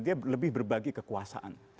dia lebih berbagi kekuasaan